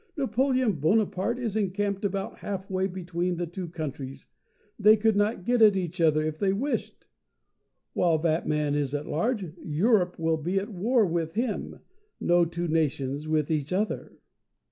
"Napoleon Bonaparte is encamped about half way between the two countries. They could not get at each other if they wished. While that man is at large, Europe will be at war with him, no two nations with each other."